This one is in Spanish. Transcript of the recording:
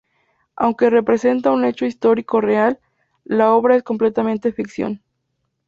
Aunque representa un hecho histórico real, la obra es completamente ficción.